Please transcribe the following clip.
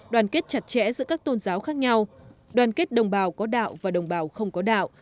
đoàn kết chặt chẽ giữa các tôn giáo khác nhau đoàn kết đồng bào có đạo và đồng bào không có đạo